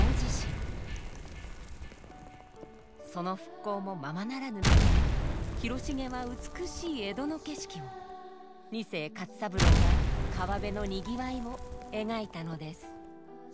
その復興もままならぬ中で広重は美しい江戸の景色を二世勝三郎は川辺の賑わいを描いたのです。